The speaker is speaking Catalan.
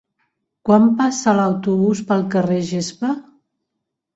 Quan passa l'autobús pel carrer Gespa?